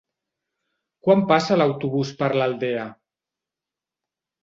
Quan passa l'autobús per l'Aldea?